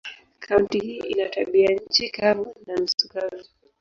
Kaunti hii ina tabianchi kavu na nusu kavu.